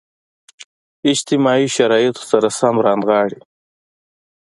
اجتماعي شرایطو سره سم رانغاړي.